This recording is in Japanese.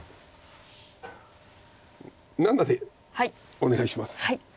７でお願いします。